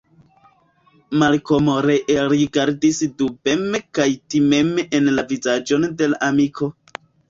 Malkomo ree rigardis dubeme kaj timeme en la vizaĝon de la amiko.